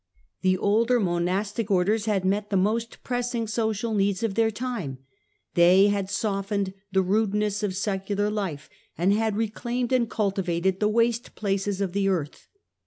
The older monastic Orders had met the most pressing social needs of their time. They had softened the rudeness of secular life, and had reclaimed and cultivated the waste places of the earth.